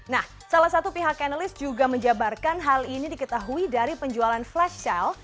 nah salah satu pihak channelis juga menjabarkan hal ini diketahui dari penjualan flash sale